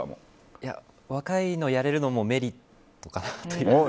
いや、若いのをやれるのもメリットかなと。